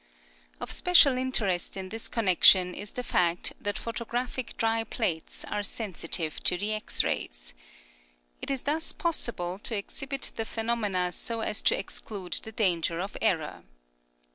Of special interest in this connection is the fact that photographic dry plates are sensitive to the X rays. It is thus possible to exhibit the phenomena so as to exclude the danger of error.